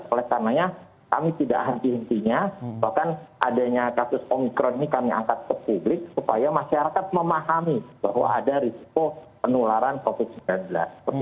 oleh karenanya kami tidak henti hentinya bahkan adanya kasus omikron ini kami angkat ke publik supaya masyarakat memahami bahwa ada risiko penularan covid sembilan belas